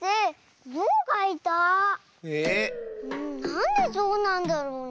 なんでぞうなんだろうね？